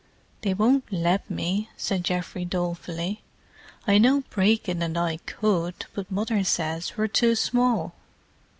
"They won't let me," said Geoffrey dolefully. "I know Brecon and I could, but Mother says we're too small."